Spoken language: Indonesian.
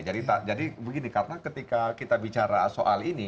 jadi begini karena ketika kita bicara soal ini